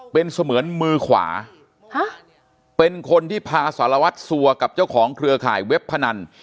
เป็นเสมือนมือขวาเป็นคนที่พาสารวัตรสัวกับเจ้าของเครือข่ายเว็บพนัน